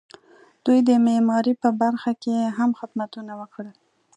دوی د معمارۍ په برخه کې هم خدمتونه وکړل.